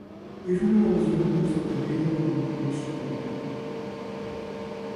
És una de les llacunes de la llei de la memòria històrica.